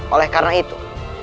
oleh karena itu